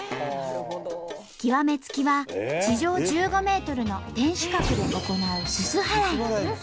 極め付きは地上１５ｍの天守閣で行うすす払い。